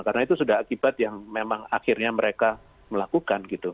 karena itu sudah akibat yang memang akhirnya mereka melakukan gitu